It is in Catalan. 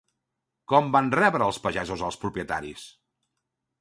Com van rebre els pagesos als propietaris?